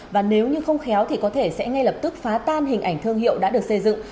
và nếu như không khéo thì có thể sẽ ngay lập tức phá tan hình ảnh thương hiệu đã được xây dựng